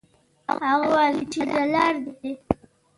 هغه وویل چې دلار دي.